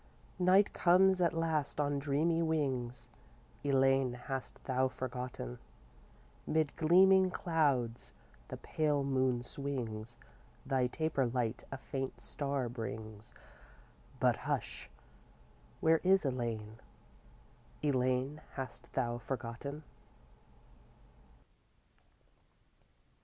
Night comes at last on dreamy wings, Elaine, hast thou forgotten? 'Mid gleaming clouds the pale moon swings, Thy taper light a faint star brings, But hush! Where is Elaine? Elaine, hast thou forgotten?